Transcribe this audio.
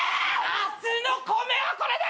明日の米はこれで。